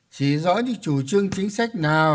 chỉ rõ những chủ trương chính sách nào